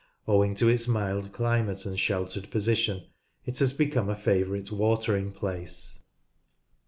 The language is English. Owing to its mild climate and sheltered position it has become a favourite watering place, (p.